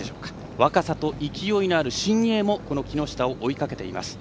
若さと勢いがある新鋭も木下を追いかけています。